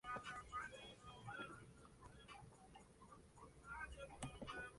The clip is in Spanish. De aquí surge el primer canal musical del país.